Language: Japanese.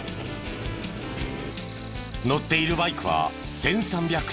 乗っているバイクは１３００